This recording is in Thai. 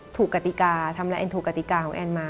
ถูกกติกาทำลายแอนถูกกติกาของแอนมา